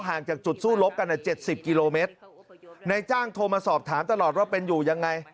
ห่างจากจุดสู้รบกันอ่ะเจ็ดสิบกิโลเมตรนายจ้างโทรมาสอบถามตลอดว่าเป็นอยู่ยังไง